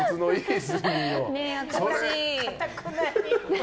かたくなに。